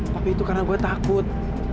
tapi itu karena gue takut